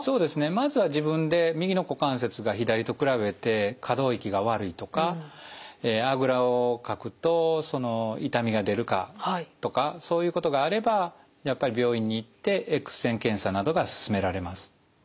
まずは自分で右の股関節が左と比べて可動域が悪いとかあぐらをかくと痛みが出るかとかそういうことがあればやっぱり病院に行ってエックス線検査などがすすめられます。